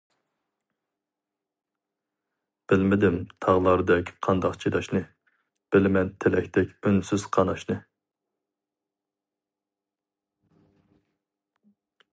بىلمىدىم تاغلاردەك قانداق چىداشنى، بىلىمەن تىلەكتەك ئۇنسىز قاناشنى.